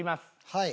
はい。